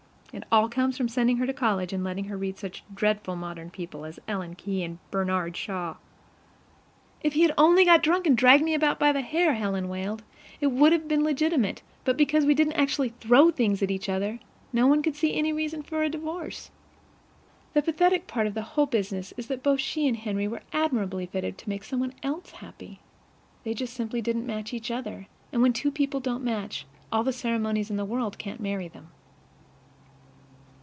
It all comes from sending her to college and letting her read such dreadful modern people as Ellen Key and Bernard Shaw. "If he had only got drunk and dragged me about by the hair," Helen wailed, "it would have been legitimate; but because we didn't actually throw things at each other, no one could see any reason for a divorce." The pathetic part of the whole business is that both she and Henry were admirably fitted to make some one else happy. They just simply didn't match each other; and when two people don't match, all the ceremonies in the world can't marry them.